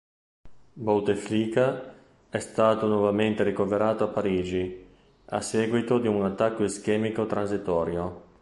Bouteflika è stato nuovamente ricoverato a Parigi, a seguito di un attacco ischemico transitorio.